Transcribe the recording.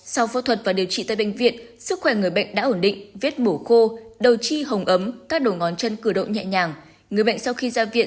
sau phẫu thuật và điều trị tại bệnh viện